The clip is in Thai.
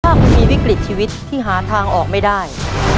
ถ้าคุณมีวิกฤตชีวิตที่หาทางออกไม่ได้